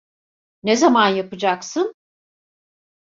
Ne zaman yapacaksın?